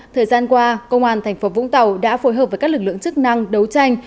thời gian qua công an tp vũng tàu đã phối hợp với các lực lượng chức năng đấu tranh